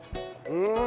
うん。